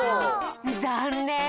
ざんねん！